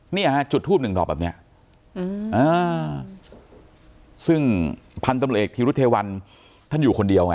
เนี่ยฮะจุดทูบหนึ่งดอกแบบเนี้ยอืมอ่าซึ่งพันธุ์ตำรวจเอกธีรุเทวันท่านอยู่คนเดียวไง